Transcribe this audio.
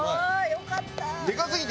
よかった！